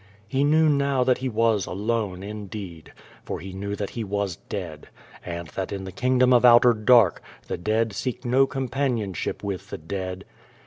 He knew now that he was alone indeed, for he knew that he was dead, and that in the kingdom of outer dark, the dead seek no com panionship with the dead.